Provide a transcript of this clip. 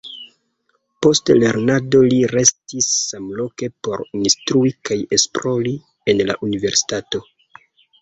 Post lernado li restis samloke por instrui kaj esplori en la universitato.